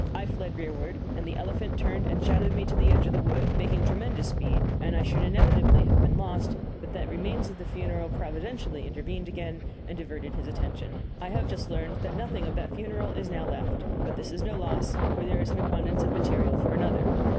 I fled rearward, and the elephant turned and shadowed me to the edge of the wood, making tremendous speed, and I should inevitably have been lost, but that the remains of the funeral providentially intervened again and diverted his attention. I have just learned that nothing of that funeral is now left; but this is no loss, for there is abundance of material for another.